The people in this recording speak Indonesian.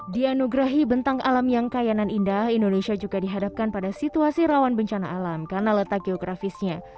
dianugerahi bentang alam yang kayanan indah indonesia juga dihadapkan pada situasi rawan bencana alam karena letak geografisnya